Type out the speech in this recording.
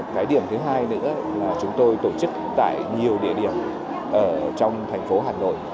cái điểm thứ hai nữa là chúng tôi tổ chức tại nhiều địa điểm ở trong thành phố hà nội